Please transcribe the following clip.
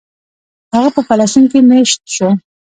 هغه په فلسطین کې مېشت شو.